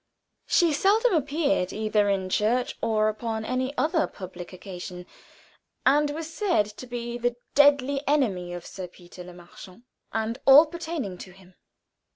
She seldom appeared either in church or upon any other public occasion, and was said to be the deadly enemy of Sir Peter Le Marchant and all pertaining to him.